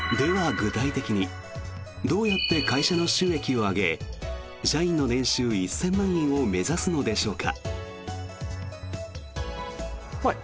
具体的にどうやって会社の収益を上げ社員の年収１０００万円を目指すのでしょうか。